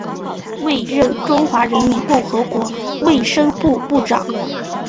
末任中华人民共和国卫生部部长。